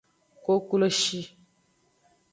Kokloshi.